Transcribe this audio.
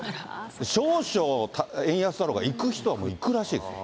少々円安だろうが行く人はもう行くらしいです。